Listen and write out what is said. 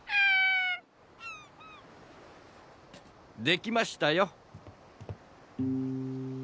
できましたよ。